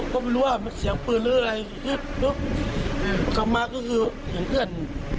ก็ไม่รู้ว่ามันเสียงปืนหรืออะไรกลับมาก็คือเห็นเพื่อน